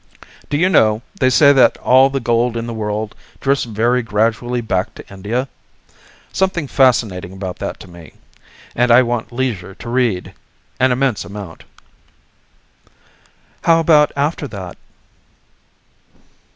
Do you know, they say that all the gold in the world drifts very gradually back to India. Something fascinating about that to me. And I want leisure to read an immense amount." "How about after that?"